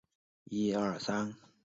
三国志魏书东夷倭人传有记述。